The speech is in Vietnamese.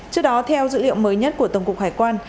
trước đó theo dữ liệu mới nhất của tổng cục hải quan